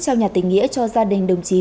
cho nhà tỉnh nghĩa cho gia đình đồng chí